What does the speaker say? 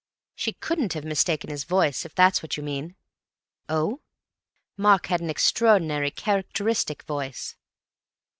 "She couldn't have mistaken his voice, if that's what you mean." "Oh?" "Mark had an extraordinary characteristic voice."